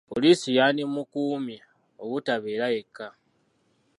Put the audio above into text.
Poliisi yandi mukumye obutabeera yekka.